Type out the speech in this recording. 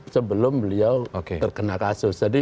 sebelum beliau terkena kasus